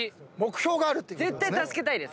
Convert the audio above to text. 絶対助けたいです。